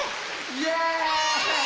イエーイ！